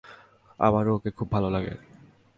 আমারো ওকে খুব ভালো লাগে।